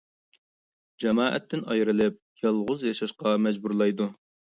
جامائەتتىن ئايرىلىپ، يالغۇز ياشاشقا مەجبۇرلايدۇ.